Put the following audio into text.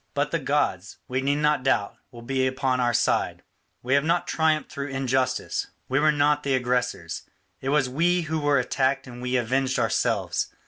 But the gods, we need not doubt, will be upon our side; we have not triumphed through injustice; we were not the aggressors, it was we who were attacked and we avenged ourselves.